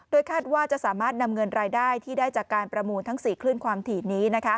คาดว่าจะสามารถนำเงินรายได้ที่ได้จากการประมูลทั้ง๔คลื่นความถี่นี้